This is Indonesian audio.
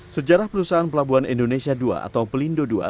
sejarah perusahaan pelabuhan indonesia ii atau pelindo ii